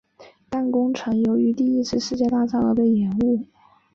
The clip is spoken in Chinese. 但工程由于第一次世界大战而被延误。